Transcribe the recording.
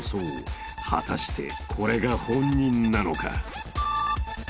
［果たしてこれが本人なのか？］